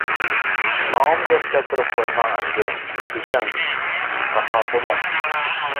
ماڭىمۇ گەپ كەلتۈرۈپ قويماڭ. ئەمدى كېتىڭ، چاققان بولۇڭ.